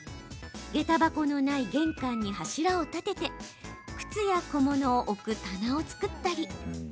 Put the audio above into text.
げた箱のない玄関に柱を立てて靴や小物を置く棚を作ったり。